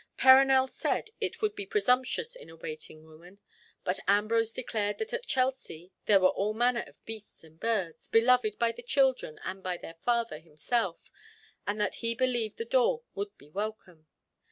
Perronel said it would be presumption in a waiting woman, but Ambrose declared that at Chelsea there were all manner of beasts and birds, beloved by the children and by their father himself, and that he believed the daw would be welcome.